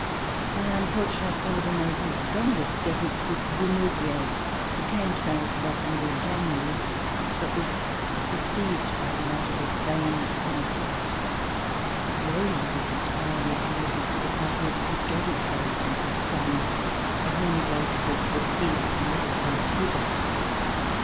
My unfortunate father made his strongest efforts with Dumouriez, who came to Paris about the middle of January, but was deceived by the latter with vain promises. Dumouriez was entirely committed to the party of Egalite and his son of whom he boasted that he was the military tutor.